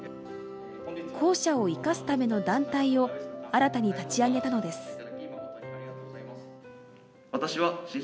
校舎を生かすための団体を新たに立ち上げたのです。